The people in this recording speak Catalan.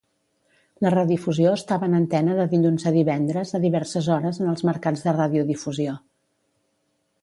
La redifusió estava en antena de dilluns a divendres a diverses hores en els mercats de radiodifusió.